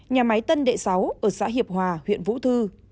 nhà máy tân đệ sáu ở xã hiệp hòa huyện vũ thư